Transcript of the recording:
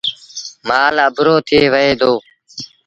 مآل اَڀرو ٿئي وهي دو۔